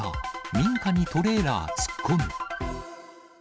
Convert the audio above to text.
民家にトレーラー突っ込む。